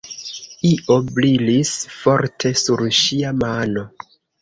Io brilis forte sur ŝia mano.